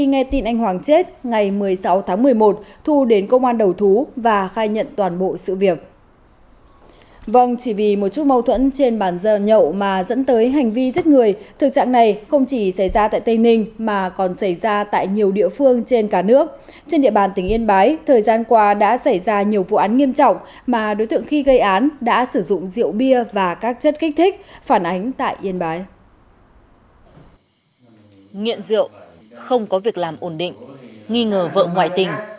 nghiện rượu không có việc làm ổn định nghi ngờ vợ ngoại tình